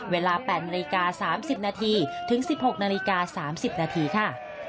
เวลา๘นาฬิกา๓๐นาทีถึง๑๖นาฬิกา๓๐นาทีค่ะ